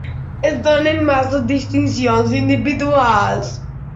Es donen massa distincions individuals.